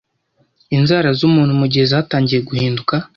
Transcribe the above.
inzara z’umuntu mu gihe zatangiye guhinduka